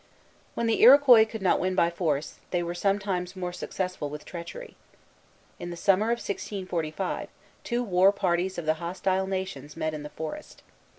When the Iroquois could not win by force, they were sometimes more successful with treachery. In the summer of 1645, two war parties of the hostile nations met in the forest.